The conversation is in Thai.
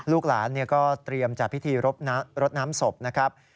ลูกหลานก็เตรียมจัดพิธีรดน้ำศพนะครับ